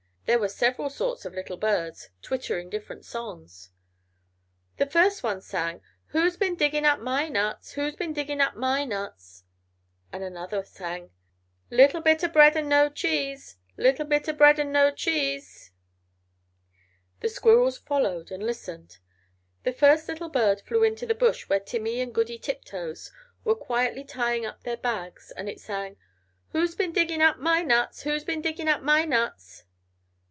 There were several sorts of little birds, twittering different songs. The first one sang "Who's bin digging up my nuts? Who's been digging up my nuts?" And another sang "Little bita bread and no cheese! Little bit a bread an' no cheese!" The squirrels followed and listened. The first little bird flew into the bush where Timmy and Goody Tiptoes were quietly tying up their bags, and it sang "Who's bin digging up my nuts? Who's been digging up my nuts?"